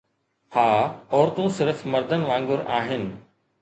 ها، عورتون صرف مردن وانگر آهن